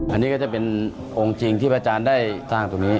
อันนี้ก็จะเป็นองค์จริงที่พระอาจารย์ได้สร้างตรงนี้